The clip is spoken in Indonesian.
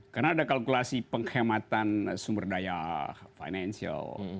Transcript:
karena ada kalkulasi penghematan sumber daya financial